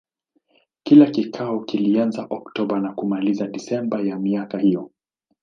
Kila kikao kilianza Oktoba na kumalizika Desemba ya miaka hiyo.